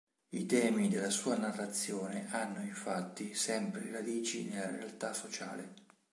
I temi della sua narrazione hanno infatti sempre radici nella realtà sociale.